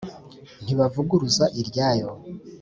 ntibavuguruza iryayo